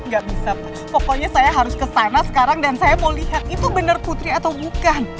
gak bisa pak pokoknya saya harus ke sana sekarang dan saya mau lihat itu bener putri atau bukan